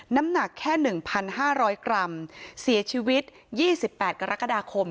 น้ำหนักแค่หนึ่งพันห้าร้อยกรัมเสียชีวิตยี่สิบแปดกรกฎาคม